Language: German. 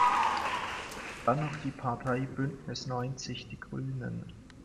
Dann noch die Partei Bündnis neunzig die Grünen.